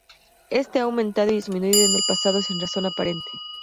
Este ha aumentado y disminuido en el pasado sin razón aparente.